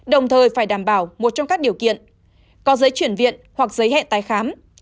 đồng thời phải đảm bảo một trong các điều kiện có giấy chuyển viện hoặc giấy hẹn tái khám